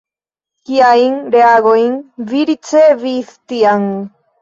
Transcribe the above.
Kiajn reagojn vi ricevis tiam?